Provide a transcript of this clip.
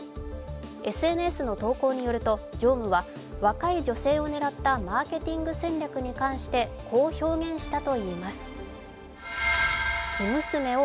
ＳＮＳの投稿によると常務は若い女性を狙ったマーケティング戦略に関して、こう表現したといいます。